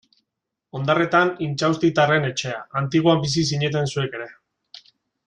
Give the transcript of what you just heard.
Ondarretan Intxaustitarren etxea, Antiguan bizi zineten zuek ere.